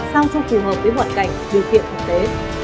sao cho phù hợp với hoàn cảnh điều kiện thực tế